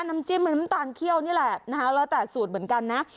น้ำจิ้มหรือน้ำตาลเขี้ยวนี่แหละนะคะแล้วแต่สูตรเหมือนกันนะ